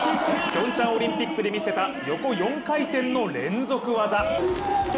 ピョンチャンオリンピックで見せた、横４回転の連続技。